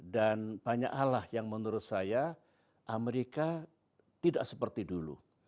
dan banyak hal lah yang menurut saya amerika tidak seperti dulu